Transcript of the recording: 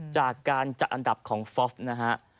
จากการจัดอันดับของฟอล์ฟนะฮะ